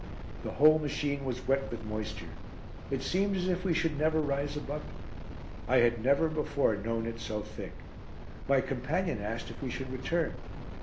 The whole machine was wet with moisture. It seemed as if we should never rise above it. I had never before known it so thick. My companion asked if we should return.